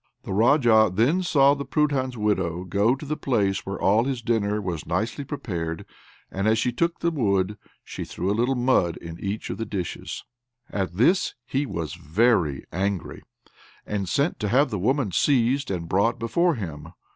The Raja then saw the Prudhan's widow go to the place where all his dinner was nicely prepared, and, as she took the wood, she threw a little mud into each of the dishes. At this he was very angry, and sent to have the woman seized and brought before him.